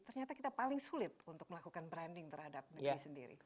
ternyata kita paling sulit untuk melakukan branding terhadap negeri sendiri